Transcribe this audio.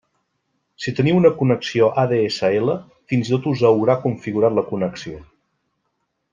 Si teniu una connexió ADSL, fins i tot us haurà configurat la connexió.